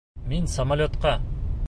Мин самолетҡа!